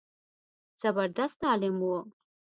زبردست عالم و.